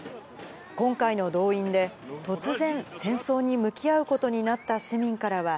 今回の動員で、突然、戦争に向き合うことになった市民からは。